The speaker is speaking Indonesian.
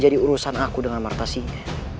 biar ini urusan aku dan martha